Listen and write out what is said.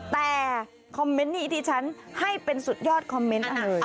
แต่คอมเมนต์นี้ที่ฉันให้เป็นสุดยอดคอมเมนต์